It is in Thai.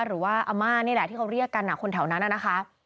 หรือว่าอาม่านี่แหละที่เขาเรียกกันคนแถวนั้นนะคะ